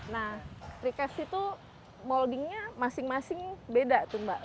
nah precast itu moldingnya masing masing beda tuh mbak